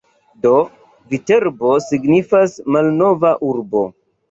Do Viterbo signifas "malnova urbo".